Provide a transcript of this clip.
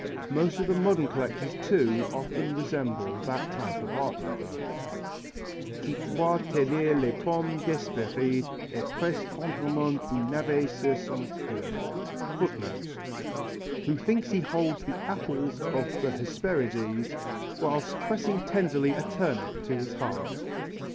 Most of the modern collectors too often resemble that type of art lover: ... Qui croit tenir les pommes d'Hesperides Et presse tendrement un navet sur son coeur. ..: Who thinks he holds the apples of the Hesperides Whilst pressing tenderly a turnip to his heart.